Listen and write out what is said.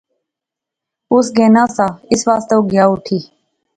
اس گینا ساہ، اس واسطے او گیا اٹھی